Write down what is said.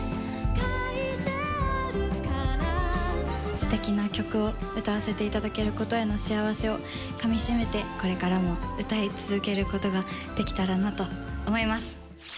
すてきな曲を歌わせていただけることの幸せをかみしめて、これからも歌い続けることができたらなと思います。